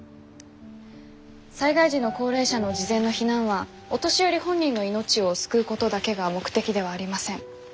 災害時の高齢者の事前の避難はお年寄り本人の命を救うことだけが目的ではありません。